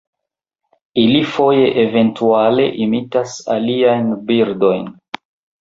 Ili foje eventuale imitas aliajn birdojn.